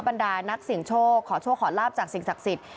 ปันดานักสิงห์โชคขอโชคขอลาบจากสิงห์ศักดิ์สิทธิ์